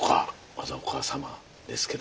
まずはお母様ですけども。